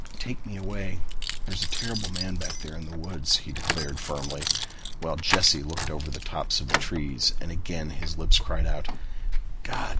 "Take me away. There is a terrible man back there in the woods," he declared firmly, while Jesse looked away over the tops of the trees and again his lips cried out to God.